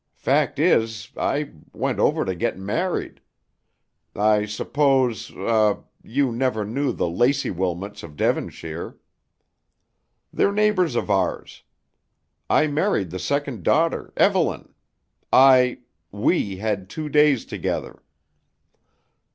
Fact is, I went over to get married. I suppose er you never knew the Lacy Wilmots of Devonshire? They're neighbors of ours. I married the second daughter, Evelyn. I we had two days together."